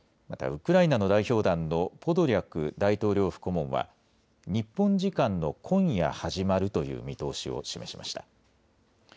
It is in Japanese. またウクライナの代表団のポドリャク大統領府顧問は日本時間の今夜始まるという見通しを示しました。